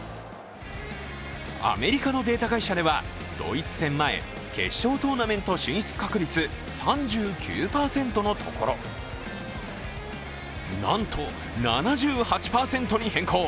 アメリカのデータ会社ではドイツ戦前、決勝トーナメント進出確率３９％のところ、なんと７８％に変更。